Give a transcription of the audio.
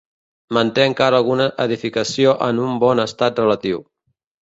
Manté encara alguna edificació en un bon estat relatiu.